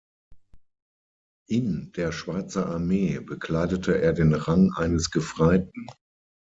In der Schweizer Armee bekleidete er den Rang eines Gefreiten.